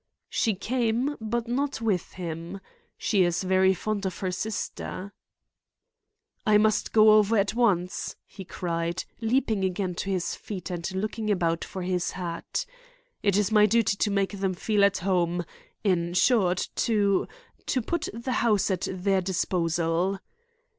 "She came, but not with him. She is very fond of her sister." "I must go over at once," he cried, leaping again to his feet and looking about for his hat. "It is my duty to make them feel at home; in short, to—to put the house at their disposal."